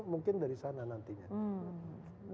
mungkin dari sana nantinya